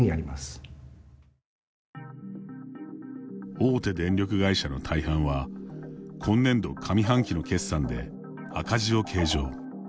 大手電力会社の大半は今年度上半期の決算で赤字を計上。